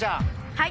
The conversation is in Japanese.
はい。